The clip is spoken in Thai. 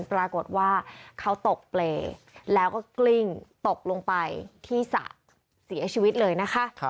ปรากฏว่าเขาตกเปรย์แล้วก็กลิ้งตกลงไปที่สระเสียชีวิตเลยนะคะ